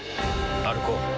歩こう。